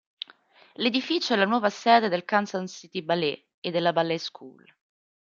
L'edificio è la nuova sede del Kansas City Ballet e della Ballet School.